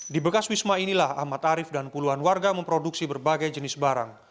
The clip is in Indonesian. di bekas wisma inilah ahmad arief dan puluhan warga memproduksi berbagai jenis barang